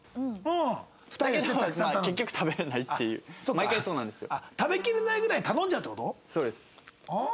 毎回そうなんですよ。